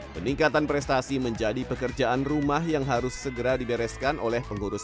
peningkatan prestasi menjadi pekerjaan rumah yang harus segera dibereskan oleh pengurus